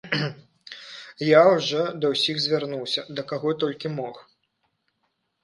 Я ўжо да ўсіх звярнуўся, да каго толькі мог.